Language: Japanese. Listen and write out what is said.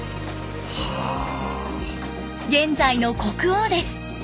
現在の国王です。